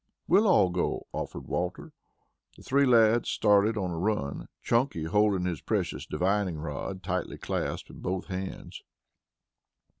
"We'll all go," offered Walter. The three lads started on a run, Chunky holding his precious divining rod tightly clasped in both hands.